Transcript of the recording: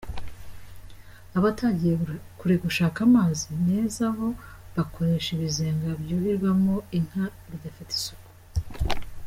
Abatagiye kure gushaka amazi meza bo bakoresha ibizenga by’uhirwamo inka bidafite isuku.